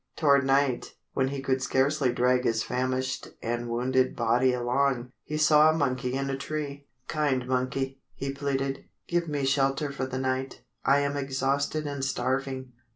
Toward night, when he could scarcely drag his famished and wounded body along, he saw a monkey in a tree. "Kind monkey," he pleaded, "give me shelter for the night. I am exhausted and starving."